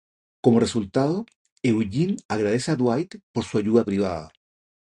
Como resultado, Eugene agradece a Dwight por su ayuda privada.